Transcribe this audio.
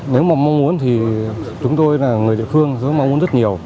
nếu mà mong muốn thì chúng tôi là người địa phương tôi mong muốn rất nhiều